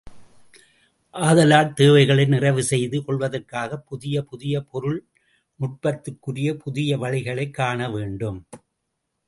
ஆதலால் தேவைகளை நிறைவு செய்து கொள்வதற்காகப் புதிய புதிய பொருள் நுட்பத்திற்குரிய புதிய வழிகளைக் காணவேண்டும்.